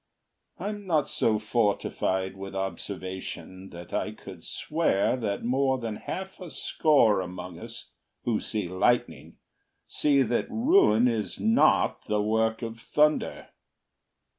I'm not so fortified with observation That I could swear that more than half a score Among us who see lightning see that ruin Is not the work of thunder.